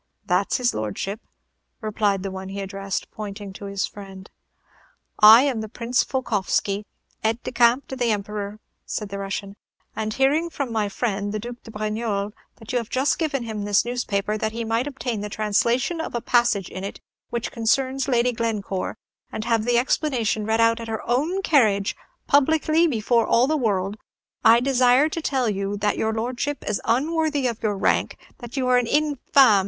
"That's his Lordship," replied the one he addressed, pointing to his friend. "I am the Prince Volkoffsky, aide de camp to the Emperor," said the Russian; "and hearing from my friend the Duke de Brignolles that you have just given him this newspaper, that he might obtain the translation of a passage in it which concerns Lady Glencore, and have the explanation read out at her own carriage, publicly, before all the world, I desire to tell you that your Lordship is unworthy of your rank; that you are an _infame!